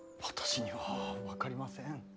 私には分かりません。